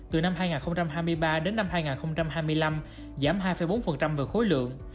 từ năm hai nghìn hai mươi ba đến năm hai nghìn hai mươi năm giảm hai bốn về khối lượng